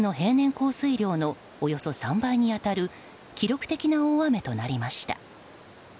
降水量のおよそ３倍に当たる記録的な大雨となりました。